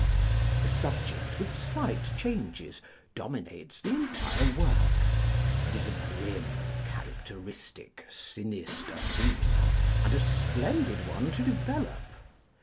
This subject, with slight changes, dominates the entire work; it is a grim, characteristic, sinister theme, and a splendid one to develop.